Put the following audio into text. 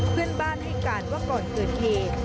เพื่อนบ้านให้การว่าก่อนเกิดเหตุ